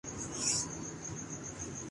ہریرو